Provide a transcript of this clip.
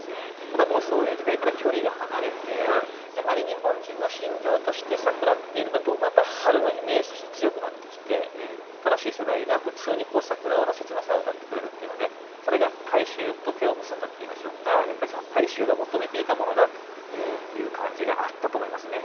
ただもうそういう時代から距離が離れてやはり日本人の心情として桜っていうのがどうもやっぱ春のイメージとして強くなってきて新しい世代が普通に桜の切なさを歌ってくれるっていうのでそれが大衆と手を結んだっていいましょうか大衆が求めていたものだという感じがあったと思いますね